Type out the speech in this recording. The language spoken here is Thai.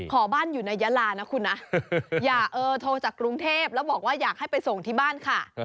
ขอบ้านอยู่ในยาลานะคุณนะอย่าเออโทรจากกรุงเทพแล้วบอกว่าอยากให้ไปส่งที่บ้านค่ะ